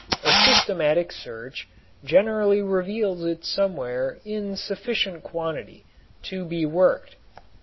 A systematic search generally reveals it somewhere in sufficient quantity to be worked.